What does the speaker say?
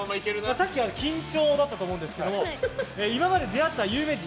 さっきは緊張だったんですが今まで出会った有名人！